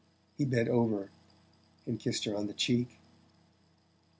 He bent over and kissed her on the cheek.